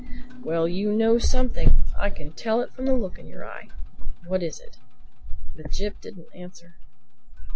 "Well, you know something. I can tell it from the look in your eye. What is it?" But Jip didn't answer.